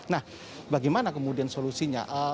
nah bagaimana kemudian solusinya